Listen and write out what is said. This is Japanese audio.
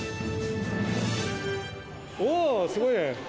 おー、すごいね。